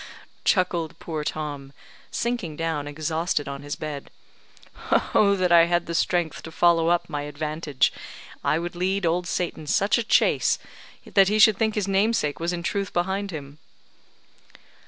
chuckled poor Tom, sinking down exhausted on his bed. "Oh that I had strength to follow up my advantage, I would lead Old Satan such a chase that he should think his namesake was in truth behind him."